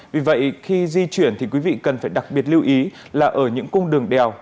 vì vậy khi di chuyển thì quý vị cần phải đặc biệt lưu ý là ở những cung đường đèo